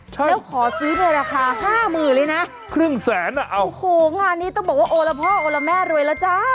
ใช่แล้วขอซื้อในราคาห้าหมื่นเลยนะครึ่งแสนอ่ะเอาโอ้โหงานนี้ต้องบอกว่าโอละพ่อโอละแม่รวยแล้วจ้า